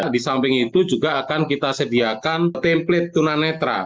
di samping itu juga akan kita sediakan template tunanetra